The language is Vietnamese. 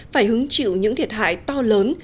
phải hứng chịu những thiệt hại to lớn